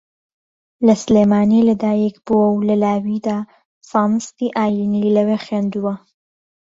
لە سلێمانی لەدایکبووە و لە لاویدا زانستی ئایینی لەوێ خوێندووە